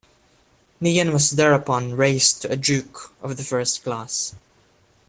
Nian was thereupon raised to a Duke of the First Class.